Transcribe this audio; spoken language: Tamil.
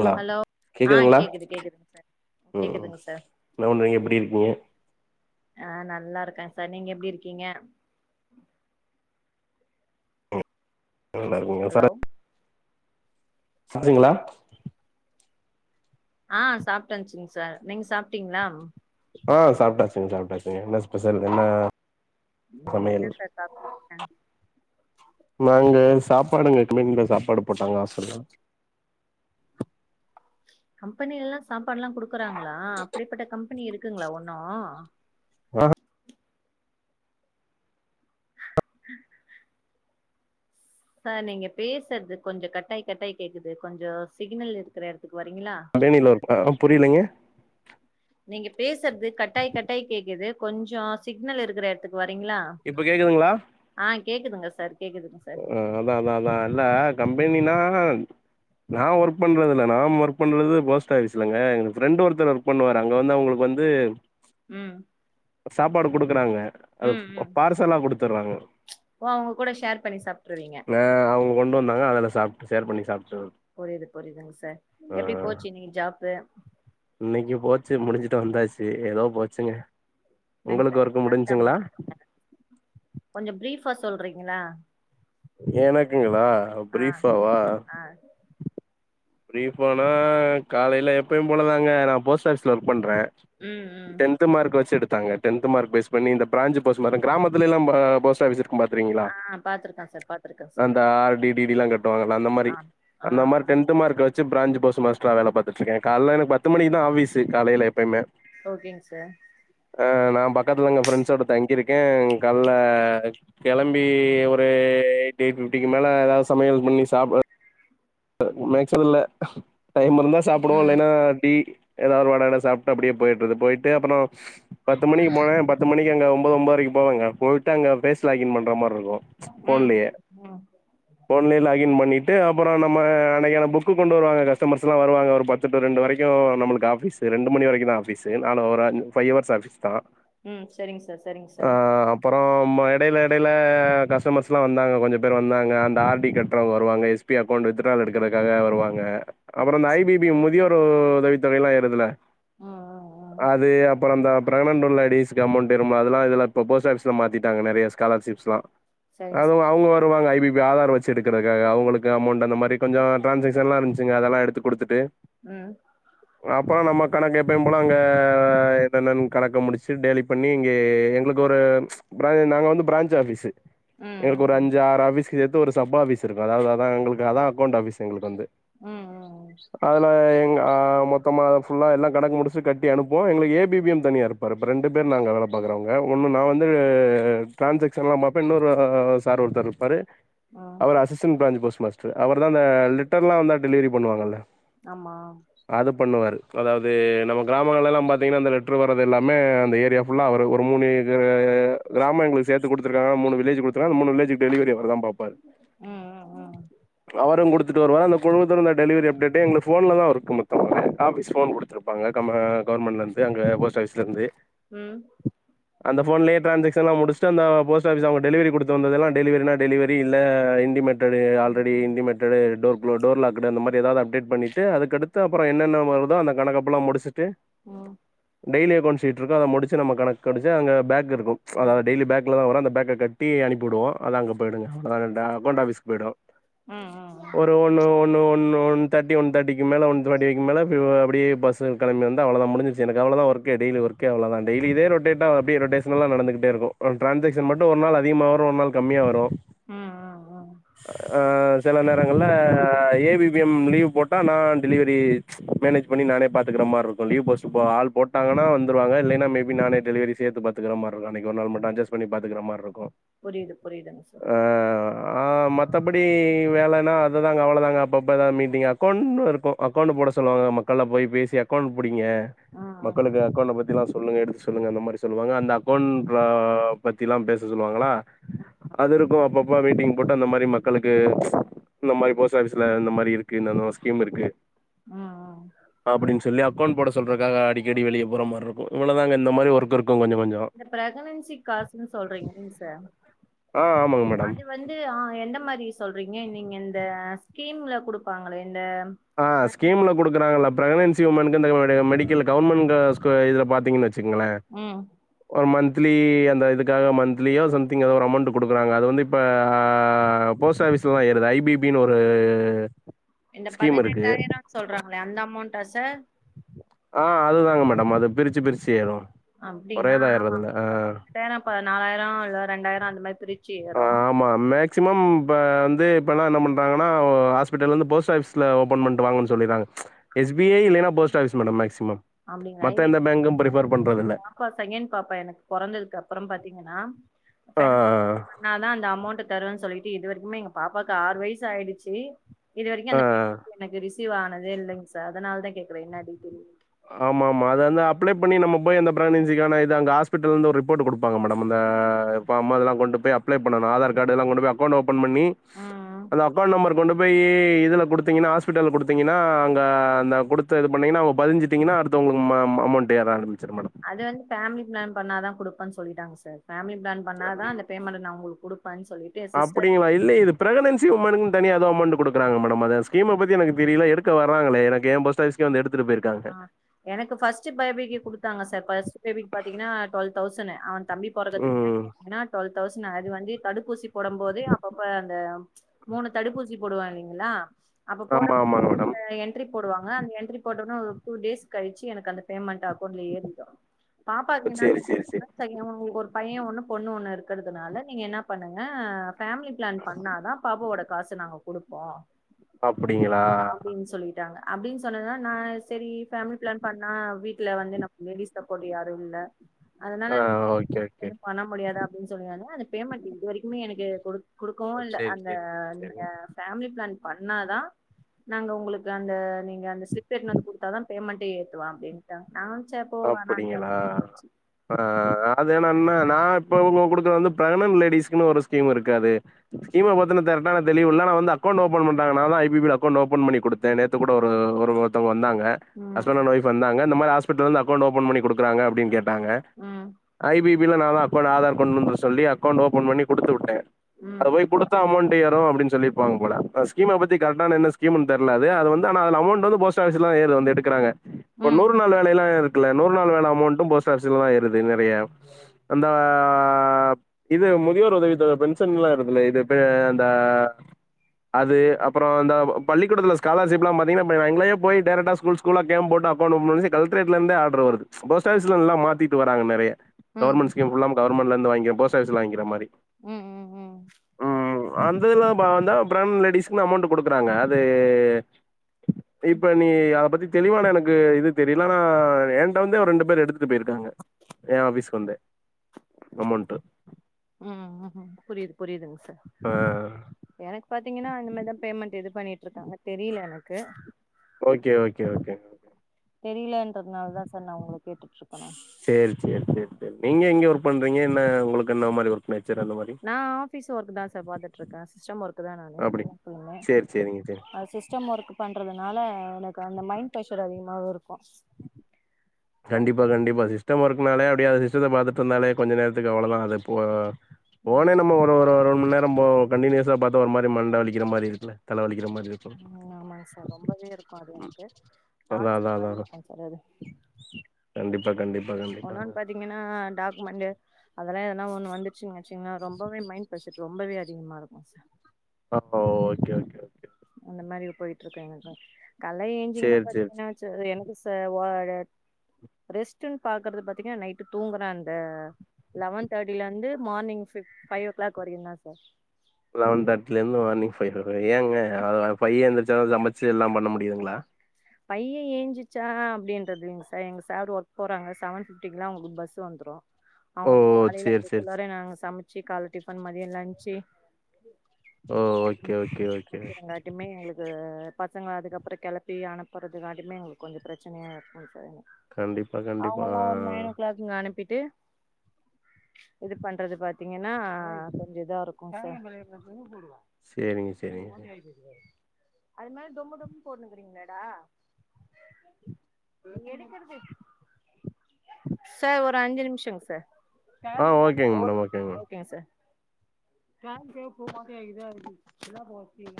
ங்களா ஹலோ ஆ கேக்குதுங்களா கேக்குது கேக்குதுங்க சார் ம் கேக்குதுங்க சார் என்ன பண்றீங்க எப்டி இருக்கீங்க ஆ நல்லா இருக்கேன் சார் நீங்க எப்படி இருக்கீங்க மருமகன் ஹலோ பேசுறேன் சாப்பிட்டீங்களா ஆ சாப்பிட்டந்துச்சுங்க சார் நீங்க சாப்பிட்டீங்களா ஆ சாப்பிட்டாச்சுங்க சாப்பிட்டாச்சுங்க என்ன ஸ்பெஷல் என்ன சமையல் என்ன சார் சாப்ட்டீங்க நாங்க சாப்பாடுங்க ஏற்கனவே இங்க சாப்பாடு போட்டாங்க ஹாஸ்டல்ல கம்பெனில எல்லாம் சாப்பாடு எல்லாம் குடுக்குறாங்களா அப்படிப்பட்ட கம்பெனி இருக்குங்களா ஒண்ணும் ஆ உஹம் சார் நீங்க பேசுறது கொஞ்சம் கட்டாய கட்டாய் கேக்குது கொஞ்சம் சிக்னல் இருக்கிற இடத்துக்கு வரீங்களா வேனில இருக்கேன் ஆ புரியலைங்க நீங்க பேசுறது கட்டாய் கட்டாய் கேக்குது கொஞ்சம் சிக்னல் இருக்கற இடத்துக்கு வரீங்களா இப்போ கேக்குதுங்களா ஆ கேக்குதுங்க சார் கேக்குதுங்க சார் ஆ அதான் அதான் அதான் இல்ல கம்பெனின்னா நா ஒர்க் பண்றது இல்ல நான் ஒர்க் பண்றது போ ஆபிஸ்லங்க எங்க ம் ஃரெண்ட் ஒருத்தர் ஒர்க் பண்ணுவாரு அங்க வந்து அவங்களுக்கு வந்து ம் சாப்பாடு குடுக்குறாங்க அது ம் ம் பார்சலா கொடுத்துடுறாங்க ஓ அவங்க கூட ஷேர் பண்ணி சாப்ப ந அவங்க கொண்டு வந்தாங்க அதல்லாம் சாப்பிட்டு ஷேர் பண்ணி சாப்பிட்டு புரியுது புரியுதுங்க சார் எப்படி போச்சு இன்னைக்கு ஜாப்பு? இன்னைக்கு போச்சு முடிஞ்சுட்டு வந்தாச்சு ஏதோ போச்சுங்க உங்களுக்கு ஒர்க்கு முடிஞ்சுங்ளா கொஞ்சொ பிரீஃபா சொல்றீங்ளா எனக்குங்ளா ஆ பிரீஃபாவா ஆ பிரீஃபானா காலைல எப்பயும் போலதாங்க நா போஸ்ட் ஆஃபிஸ்ல ஒர்க் பண்ற ம் ம் டென்த்து மார்க் வச்சு எடுத்தாங்க டென்த்து மார்க் பேஸ் பண்ணி இந்த பிராஞ்சு போஸ்ட் மார கிராமத்துலேல்லா பரா போஸ்ட் ஆஃபீஸ் இருக்கும் பாத்துருகீங்ளா ஆ பாத்துருக்கே சார் பாத்துருக்கே சார் அந்த ஆர் டி டி டி ல்லா கட்டுவாங்கல அந்த மாரி ஆ ஆ அந்த மாரி டென் த் மார்க்க வச்சு பிராஞ்ச் போஸ்ட் மாஸ்டரா வேல பாத்துட்ருக்கே கால்ல எனக்கு பத்து மணிக்தா ஆஃபீஸ் காலைல எப்பயுமே ஓகேங் சார் ஆ நா பக்கத்துல இங்க ஃப்ரெண்ட்ஸோட தங்கிருக்கே கால்ல கெளம்பி ஒரு எயிட் எயிட் ஃபிஃப்டிக்கு மேல எதாவ் சமையல் பண்ணி சாப்பு மேக்ஸிமம் இல்ல டைம் இருந்தா சாப்டுவோ ம் இல்லன்னா டீ எதாவ் வட கிட சாப்ட்டு அப்டியே போயிட்டுறது போயிட்டு அப்பறோ பத்து மணிக்கு போனேனா பத்து மணிக் குள்ள ஒம்போது ஒம்போதரைக்கு போவங்க போய்ட்டு அங்க ஃபேஸ் லாகின் பண்ற மாருக்கு ம் ஃபோன்லயே ம் ஃபோன்லயே லாகின் பண்ணிட்டு அப்பறோ நம் ம அனைக்கான புக்கு கொண்டு வருவாங்க கஸ்டமர்ஸ் எல்லா வருவாங்க ஒரு பத்து டூ ரெண்டு வரைக்கு நம்ளுக்கு ஆஃபீஸ் ஒ ரெண்டு மணி வரைக்குதா ஆஃபீஸு நானு ஒரு ஃபைவ் ஹவர்ஸ் ஆஃபீஸ் தா ம் சரிங்க சார் சரிங்க சார் அப்றோ ம எடைல எடைல கஸ்டமர்ஸ்லா வந்தாங்க கொஞ்சொ பேர் வந்தாங்க அந்த ஆர் டி கட்றவங்க வருவாங்க எஸ் பி அப் பாண்டு வித்ட்ரா எடுக்றக்காக வருவாங்க அப்றோ இந்த ஐ சரி பி பி முதியோரு உதவித்தொகையெல்லா ஏறுதுல ம் ம் ம் அது அப் பறோ அந்த பிரக்னன்ட் லேடிஸ்க்கு அமௌண்ட் வரும்ல அதுலா இதுலா இப்போ போஸ்ட் ஆஃபிஸ்ல மாத்திட்டாங்க நெறைய ஸ்காலர்ஷிப்ஸ்லா செரிங்க அதுவு சார் அவுங்க வருவாங்க ஐ பி பி ஆதார் வச்சு எடுக்றதுக்காக அவங்களுக்கு இந்த அமௌண்ட் அந்த மாரி கொஞ்ச டிரான்சாக்ஷன்லா இருந்ச்சுங்க அதெல்லா எடுத்து குடுத்துட்டு ம் [inaudible] அப்றோ நம்ம கணக்கு எப்பயு போல அங்க என்னெனன் கணக்க முடிச்சு டேலி பண்ணி இங்கே எங்கள்க் ஒரு பிரவ் நாங்க வந்து பிரான்ச் ஆஃபிஸ் ம் எங்கள்க்கு ஒரு ம் அஞ்சு ஆறு ஆஃபீஸ்கு சேத்து ஒரு சப் ஆஃபீஸ் இருக்கு அதாவ்து தா எங்கள்க்கு அதா அக்கௌண்ட் ஆஃபீஸ் எங்களுக்கு வந்து ம் ம் [inaudible] அதுல எ அ மொத்தமா ஃபுல்லா எல்லா கணக்கு முடிச்சுட்டு கட்டி அனுப்புவோ எங்கள்க்கு ஏ பி பி எம் தனியாருக் குறப்பா ரெண்டு பேர் நாங்க வேல பாக்குறோவங்க ஒன்னு நா வந்து ட்ரான்சக்ஷன்லா பாப்பா இன்னொரு சார் ஒருத்தர் இரு ப்பாரு ம் அவர் அசிஸ்டன்ட் பிராஞ்ச் போஸ்ட் மாஸ்டர் அவர்தா இந்த லிட்டர்லா வந்தா டெலிவரி பண்ணுவாங்கல்ல ஆமா அது பண்ணுவாரு அதாவ்து நம்ம கிராமங்கள்லலா பாத்தீங்கன்னா இந்த லெட்ரு வர்றது எல்லாமே அந்த ஏரியா ஃபுல்லா அவரு ஒரு மூணு எ கிராம எங்களுக் சேத்து குடுத்ருக்காங்க மூனு வில்லேஜ் குடுத்துறுகாங்க அந்த மூணு வில்லேஜ்க்கு டெலிவரி அவர்தா பாப்பாரு ம் ம் ம் அவரு குடுத்துட்டு வருவா அந்த குழுவத்துல உள்ள டெலிவரி அப்டேட்டெ எங்ளுக்கு ஃபோன்லதா இர்க்கு மொத்தமாவெ ஆஃபிஸ் ஃபோன் குடுத்ருப்பாங்க கவர்மா கவர்மெண்ட்ல இருந்து து அங்க போஸ்ட் ஆஃபிஸ்ல இருந்து ம் அந்த ஃபோன்லயே ட்ரான்சாக்ன்ஷலா முடிச்ட்டு அந்த போஸ்ட் ஆஃபிஸ் அவங்க டெலிவரி குடுத்த வந்ததல்லா டெலிவரினா எடுத் டெலிவரி இல்ல இன்டிமேட்டட் ம் ஆல்ரெடி இன்டிமேட் டோர்லாக்டு அந்த மாரி எதாது அப்டேட் பண்ணிட்டு அதுக்கு அடுத்து அப்ற என்னன்ன வருதோ அந்த கணக்க புல்லா முடிச்சிட்டு ம் டெய்லி அக்கவுண்ட்ஷீ்ட் இருக்கு அத முடிச்சு நம்ம கணக்கடிச்ச அங்க பேக் இருக்கு ம் அதா டெய்லி பேக்ல தா வரு அந்த பேக்க கட்டி அனுப்பி விடுவோ அதா அங்க போயிடுங்க அகொண்ட் ஆஃபீ்ஸ் போயிடு ம் ஒரு ஒன் ஒன்னு ஒன்னு ஒன் தேர்டி ஒன் தேட்டிக்கு மேல ஒன் தேட்டி ஃபைக்கு மேல அப்டியே பஸ் கிளம்பி வந்து அவ்ளதா முடிஞ்ச்சு எனக்கு அவ்ளதா ஒர்கே டெய்லி ஒர்கே அவ்ளோ தா டெய்லி இதே ரொட்டேட்டா அப்டே ரொட்டேஷனல்லா நடந்துகிட்டே இருக்கு ட்ரான்சாக்ஷன் மட்டு ஒரு நாள் அதிகமா வரு ஒரு நாள் கம்மியா வரு அ அ அ ஆ சில நேரங்கள்ல A B P M leave போட்டா நா டெலிவரி மேனேஜ் பண்ணி நானே பாத்துக்ற மாரி இருக்கு லீவ் போஸ்ட் ஆள் போட்டாங்கன்னா வந்துருவாங்க இல்லைனா மேபி நானே டெலவரி சேத்து பாத்துக்ற மாரிக்கு அன்னைக்கு ஒரு நாள் மட்டு அட்ஜஷ் பன்னி பாத்துக்ற மாரி இருக்கு புரியுது புரியுதுங்க சார் ஆ மத்தபடி வேலன்னா அதுதாங்க அவ்ளதாங்க அப்ப அப்ப எதா மீட்டிங் அகௌண்ட்ல இருக்கு அகௌன்ட் போட சொல்லுவாங்க மக் மக்கள்ட போய் பேசி அக்கௌண்ட் பிடிங்க ம் ம் மக்களுக்கு அக்கௌண்ட பத்தி லா சொல்லுங்க எடுத்து சொல்லுங்க அந்த மாரி சொல்லுவாங்க அந்த அக்கௌண்ட்ல பத்திலா பேச சொல்லுவாங்களா அது இருக்கு அப்பப்ப மீட்டிங் போட் டு அந்த மாரி மக்களுக்கு இந்த மாரி போஸ்ட் ஆபிஸ்ல இந்த மாரி இருக்கு இந்தந்த ஸ்கீம் இருக்கு அ அ அப்படின்னு சொல்லி அக்கொண்ட் போட சொல்றதுக்காக அடிக்கடி வெளிய போற மாரி இருக்கு இவளதாங்க இந்த மாரி ஒர்க் இருக்கு கொஞ்ச கொஞ்சோ இந்த பிரெகனன்சி காசுன்னு சொல்றீங்கள சார் ஆ ஆமாங்க மேடம் அது வந் து ஆ எந்த மாரி சொல்றீங்க நீங்க இந்த ஸ்கீம்ல குடுப்பாங்களே இந்த ஆ ஸ்கீம்ல குடுக்குறாங்கல்ல பிரெக்னன்சி உமனுக்கு இந்த மெடிக்கல் கவர்மெண்ட் இதுல பாத்தீங்கன்னு வெச்சுங்கங்ளே ம் ஒரு மந்த்திலி அந்த இதுக்காக மந்த்லியோ சம்திங் எதோ ஒரு அமௌண்ட் குடுக்குறாங்க அது வந்து இப்ப ஆ போஸ்ட் ஆபிஸ்லதா ஏறது ஐ பி பின்னு ஒரு இந்த ஸ்கீம் இருக்கு. பதினெட்டாயிரம்னு சொல்றாங்களே அந்த அமௌண்ட்டா சார் ஆ அது தாங்க மேடம் அது பிரிச்சு பிரிச்சு ஏறு அப்டிங்களா ஆமா ஆமா பதினெட்டாயிர இப்ப நாலாயிரம் இல்ல ரெண்டாயிர அந்த மாரி பிரி ஆ ஆமா மேக் மேக்சிமம் இப்ப வந்து இப்பலா என்ன பண்ணறாங்கனா ஹாஸ்பிட்டல் வந்து போஸ்ட் ஆஃபிஸ்ல ஓப்பன் பண்ணிட்டு வாங்கன்னு சொல்லிறாங்க எஸ் பி ஐ இல்லனா போஸ்ட் ஆபீஸ் மேடம் மேக்ஸிமம் அப்டிங்களா மத்த எந்த இல்லைங்க பேங்க்கும் ப்ரிஃபர் பண்றதில்ல. [inaudible] பாப்பா செக்கேன் பாப்பா எனக்கு பொறந்ததுக்கு அப்புறம் பாத்தீங்கன்னா [inaudible] ஆ. பண்ணா தா அந்த அமௌண்ட் தருவேன் சொல்லிட்டு இது வரைக்குமே எங்க பாப்பாக்கு ஆறு வயசு ஆயிடுச்சு இது வரைக்கு அந்த ஆ. [inaudible] எனக்கு ரிசிவ் சிவானதே இல்லைங்க சார் அதனாலதா கேக்குறே என்ன டீட்டியல் ஆமா ஆமா அதை வந்து அப்ளை பண்ணி நம்ம போய் அந்த பிரெக்னன்சிக்கான இது அங்க ஹாஸ்பிட்டல் இருந்து ஒரு ரிப்போட் குடுப்பங்க மேடம் அந்த இப்ப அம்மால்லா கொண்டு போய் அப்ளை பண்ணனு ஆதார் காடு எல்லா கொண்டு போய் அக்கவுண்ட் ஓப்பன் பண்ணி ம் ம் அந்த அக்கௌண்ட் நம்பர் கொண்டு போய் இதுல குடுத் தீங்கன்னா ஹாஸ்பிட்டல் குடுத்தீங்கன்னா அங்க அந்த குடுத்த இது பண்ணீங்கன்னா அங்க பதிஞ்சு திங்கினா அடுத்த உங்களுக்கு மா அமௌண்ட்டு ஏற ஆரம்மிச்சிரும் மேடம் அது வந்து ஃபேமிலி பிளான் பண்ணா தா குடுப்பன்னு சொல்லிட்டாங்க சார் ஃபேமிலி பிளான் பண்ணாதா அந்த பேமெண்ட்டு நா உங்களுக் குடுப்பேன்னு சொல்லி அப்படிங்களா இது இல்ல இது பிரெகனன்சி உமன்க்கு தனியா எதோ அமௌண்ட்டு குடுக்கறாங்க மேடம் அத ஸ்கீம பத்தி எனக்கு தெரியல எடுக்க வராங்களே எனக்கு ஏ போஸ்ட் ஆஃபீஸ் இங்க வந்து எடுத்துட்டு ஆ போயிருக்காங்க எனக்கு ஃபர்ஸ்ட் பபிக்கு கொடுத்தாங்க சார் ஃபர்ஸ்ட் டேபிட் பாத்தீங்கன்னா டுவல் தௌசன்னு ஆ தம்பி போறக்கதுக்கு முன்னாடி ம். பாத்தீங்கன்னா டுவெல் தௌசண்ட் அது வந்து தடுப்பூசி போடும் போதே அப்பப்ப அந்த மூணு தடுப்பூசி போடுவாங்க இலைங்களா அப்ப போட ஆமா, ஆமாங்க மேடம். என்ட்ரி போடுவாங்க அந்த என்ண்ட்ரி போட்டோன்னே ஒ டூ டேஸ் கழிச்சு எனக்கு அந்த பேமெண்ட் அக்கௌண்ட்ல ஏறிடும் ஓ! பாப்பாக்கு என்ன சரி, சரி, சொன்னாங்க சரி உங்களுக்கு ஒரு பையன் ஒண்ணு பொண்ணு ஒண்ணு இருக்கிறதுனால நீங்க என்ன பண்ணுங்க ஃபேமிலி பிளான் பண்ணாதான் பாப்பாவோட காசு நாங்க கொடுப்போம் அப்டிங்களா? அப்படின்னு சொல்லி ங்க அப்படின்னு சொன்னதுனால நான் சரி ஃபேமிலி பிளான் பண்ணா வீட்டுல வந்து நம்ம லேடிஸ் சப்போட்டு யாரும் இல்ல அதனால ஆ [inaudible] ஓகே, ஓகே. வும் பண்ண முடியாதா அப்படின்னு சொன்னங்க அந்த பேமெண்ட் இது வரைக்குமே எனக்கு குடுக் ஓ குடுக்கவும் இல்ல சேரி அந்த சேரி நீங்க சேரிங்க ஃபேமிலி பிளான் பண்ணாதான் நாங்க உங்களுக்கு அந்த நீங்க அந்த ஸ்லிப் எத்துன்னு வந்து குடுத்தாதான் பேமெண்ட்ட ஏத்துவான் அப்படின்டாங்க நானு சரி போ வேண்டான்டே அ அது என்னன்னா நான் இப்ப உங்க குடுக்கற வந்து பிரெகனன்ட் லேடி ஸ்கன்னு ஒரு ஸ்கீம் இருக்கு அது சீக்கிம பாத்தோனே டைரக்டா நா தெளிவா பண்ண அகௌண்ட் ஓன் பண்றாங்க நாதான் ஐ பி பி ல அக்கௌன்ட் ஓபன் பண்ணி கொடுத்து நேத்து கூட ஒரு ஒருவத்தங்க வந்தாங்க ஹஸ்பண்ட அண்ட் ம் ஓய்ஃப் வந்தாங்க இந்த மாதிரி ஹாஸ்பிடல இருந்து அக்கௌன்ட் ஓபன் பண்ணி கொடுக்குறாங்க அப்டீன்னு கேட்டாங்க ம் ஐ பி நான் தான் அக்கௌண்ட் ஆதார் கொண்டு வர சொல்லி அக்கௌண்ட் ஓபன் பண்ணி கொடுத்து விட்டேன் அது ம் போய் கொடுத்தா அமொண்ட் ஏறும் அப்டின்னு சொல்லியிருப்பாங்க போல சீம்ம பத்தி கரக்டா இன்னு ஸ்கீம்னு தெர்ல அது அது வந்து ஆனா அமெளன்ட்டு வந்து போஸ்ட் ஆஃபீஸ்ல தான் ஏறும் வந்து எடுக்கறாங்க ம் ஒரு நூறு ம் நாள் வேலையெல்லாம் ஏறு இந்த நூறு நாள் வேல அமௌண்டும் போஸ்ட் ஆபிஸ்ல தான் ஏறுது நிறைய அந்தாப் இது முதியோர் உதவித்தொகை பென்ஷன்ல்லாம் வருதுல்ல இதுப்ப அந்த அது அப்புறம் இந்த பள்ளிக்கூடத்துல ஸ்காலர்ஷிப்லாம் பாத்தீங்கன்னா இப்ப எங்களயே போய் டேரைக்டா ஸ்கூல் ஸ்கூ ல்ல கேம் போட்டு அக்கௌன்ட் ஓபன் பண்ண சொல்லி கலக்ட்ரேட்ல இருந்தே ஆ டர் வருது போஸ்ட் ஆபீஸ்லல்லாம் மாத்திட்டு வராங்க நிறைய ம் கவர்மெண்ட் ஸ்கீம்ல்லாம் கவர்மெண்ட்ல வந்து வாங்கி போஸ்ட் ஆபீஸ்ல வாங்கிற மாறி ம் ம் வந்ததெலாம் பா வந்த ப்ரெக்னென் லேடிஸ்க்னு அமௌண்ட் கொடுக்குறாங்க அது இப்ப நீ அத பத்தி தெளிவான எனக்கு இது தெரியல ஆனா இப் ஏன்ட வந்தே ஒரு ரெண்டு பேரு எடுத்துட்டு போயிருக்காங்க ஏ ஆபீஸ்க்கு வந்தே அமௌன்ட்டு உம் புரியுது புரியுதுங்க சார் ஆஹ் எனக்கு பாத்தீங்கன்னா அந்த மாதிரிதான் பேமெண்ட் எது பண்ணிட்டு இருக்காங்க தெரியல எனக்கு ஓகே ஓகே ஓகேங்க தெரியலன்றதுனால தான் சார் நான் உங்கள கேட்டுட்டு இருக்றேன் சரி சரி சரி சரி நீங்க எங்க ஒர்க் பண்றீங்க என்ன உங்களுக்கு என்ன மாறி ஒர்க் மேச்சர் அந்த மாறி நான் ஆபீஸ் ஒர்க் தான் சார் பாத்துட்டு இருக்கேன் சிஸ்டம் ஒர்க்கு தான் நானு அப்டி [unintelligible] சேரி சேரிங்க சேரி அது சிஸ்டம் ஒர்க்குப் பண்றதுனால எனக்கு அந்த மைண்ட் ப்ரஷர் அதிகமாவும் இருக்கும் கண்டிப்பா கண்டிப்பா சிஷ்டம் ஒர்க்னாலே அப்படியே அ சிஷ்டத்த பாத்துட்டு இருந்தாலே கொஞ்ச நேரத்துக்கு அவ்ளோதான் அதுப் போ ம் ஃபோனே நம்ம ஒரு ஒரு ஒரு மணிநே ரொம்போ கண்டனியூஸா பாத்தா ஒரு மாரி மண்டை வலிக்கிற மாரி இருக்குல தலை வலிக்கிற மாரி இருக் ம் ஆமாங்க சார் ரொம்பவே இருக்கும் அது எனக்கு அதா டார்ச்ச அதா அதா மாறி அதா இருக்குங் சார் அது கண்டிப்பா கண்டிப்பா கண்டிப்பாங்க ஏனா டாக்குமெண்டு அதெல்லா எதுனா ஒன்னு வந்துச்சுன் வச்சுக்குங்ள ரொம்பவே மைண்ட் பிரஷர் ரொம்பவே அதிகமா இருக்கு சார் ஆமா ஓகே ஓகே ஓகே அந்த மாரி போயிட்ருக்கு எனக்கு கால்ல ஏஞ்சீங்கனா சேரி சேரி பாத்தீக் என்னாச்சு எனக்கு சா வாழ ரெஸ்ட்டுன் பாக்குறது பாத்தீங்னா நைட்டு தூங்குற அந்த லவன் தாட்டிலர்ந்து மார்னிங் ஃபிப் ஃபையோ கிளாக் வரைக்குந்தா சார் லவன் தாட்டில இருந்து மார்னிங் ஃபை வர ஏங்க அந்த நேரோ பைய எந்திருச்சுருவான் சமச்சு எல்லாம் பண்ண முடியுங்குளா பையன் ஏஞ்சிச்சான் அப்டின்றதில்லங்க சார் எங்க சார் ஒர்க் போறாங்க சவன் ஃபிப்டிக்குலா அவுங்குளுக்கு பஸ்ஸு வந்துரு ஓ அவுங்ளுக் காலைல சேரி சேரி அதுக்குல்லாரே நாங்க சமச்சு கால்ல டிஃபன் மதிய லஞ்ச்சு ஓ ஓகே ஓகே ஓகே எல்லாத்தியு [inaudible] இல்ல அதுமே எங்குளுக் கு பசங்ள அதுக்கப்புறோ கெளப்பி அனுப்புறது காட்டிமே எங்களுக்கு கொஞ்சோ பிரச்சனையா இருக்குங்க சார் எனக் கண்டிப்பா கண்டிப்பா இவ்ங்ள அனுப்பிட்டு இது பண்றது பாத்தீங்கனா கொஞ்சோ இதா இருக் சா சேரிங்க சேரிங்க அது மாரி டொம்மு டொம்முனு போட்ணுங்கறீங்களாடா எடுக்கறது சார் ஒரு அஞ்சு நிம்ஷோங் சார் ஆ ஓகேங்க மேடம் மேடம் ஓகேங்க சார் ஸ்கேன் செகப்பு ஓகே ஆய்கிது அதுக்கு எல்லாத்துக்கு ஓகே